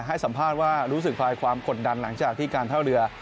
ให้สัมภาษณ์ว่ารู้สึกคลายความกดดันหลังจากที่การท่าเรือ